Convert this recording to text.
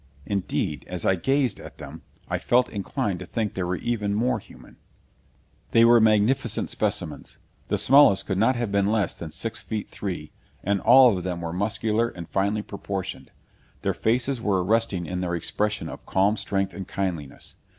Indeed, as I gazed at them, I felt inclined to think they were even more human! They were magnificent specimens. The smallest could not have been less than six feet three, and all of them were muscular and finely proportioned. Their faces were arresting in their expression of calm strength and kindliness.